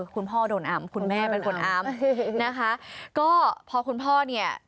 คุณพ่อโดนอำคุณแม่เป็นคนอ้ำนะคะก็พอคุณพ่อเนี่ย